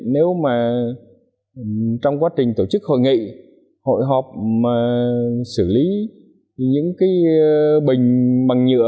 nếu mà trong quá trình tổ chức hội nghị hội họp xử lý những cái bình bằng nhựa